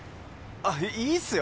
あっいいっすよ